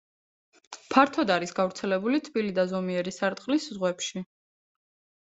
ფართოდ არის გავრცელებული თბილი და ზომიერი სარტყლის ზღვებში.